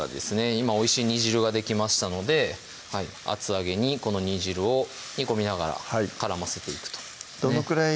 今おいしい煮汁ができましたので厚揚げにこの煮汁を煮込みながら絡ませていくとどのくらい？